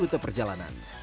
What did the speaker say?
tujuh rute perjalanan